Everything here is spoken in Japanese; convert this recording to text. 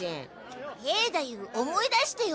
兵太夫思い出してよ。